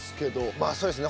まあそうですね。